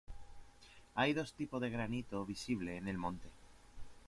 Hay dos tipos de granito visibles en el monte.